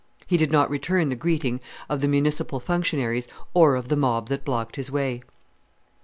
He did not return the greeting of the municipal functionaries or of the mob that blocked his way.